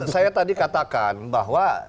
saya tadi katakan bahwa